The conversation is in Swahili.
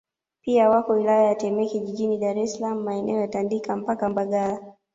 Pia wako wilaya ya Temeke jijini Dar es Salaam maeneo ya Tandika mpaka Mbagala